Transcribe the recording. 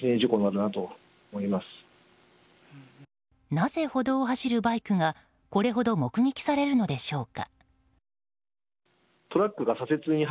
なぜ、歩道を走るバイクがこれほど目撃されるのでしょうか。